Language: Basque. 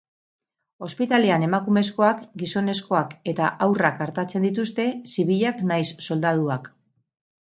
Ospitalean emakumezkoak, gizonezkoak eta haurrak artatzen dituzte, zibilak nahiz soldaduak.